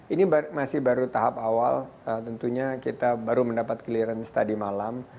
ini masih baru tahap awal tentunya kita baru mendapat clearance tadi malam